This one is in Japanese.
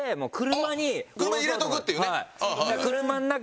車に入れとくっていうね。